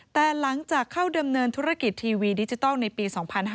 แต่หลังจากเข้าดำเนินธุรกิจทีวีดิจิทัลในปี๒๕๕๙